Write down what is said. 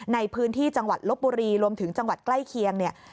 ในพื้นที่จังหวัดลบบุรีรวมถึงจังหวัดใกล้เคียงเนี่ย